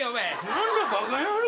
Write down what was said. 何だバカ野郎。